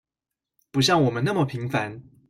不像我們那麼平凡